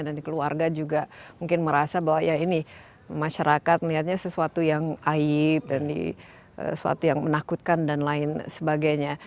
dan di keluarga juga mungkin merasa bahwa ya ini masyarakat melihatnya sesuatu yang aib dan sesuatu yang menakutkan dan lain sebagainya